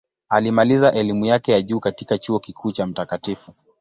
Alimaliza elimu yake ya juu katika Chuo Kikuu cha Mt.